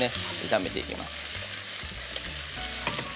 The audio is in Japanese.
炒めていきます。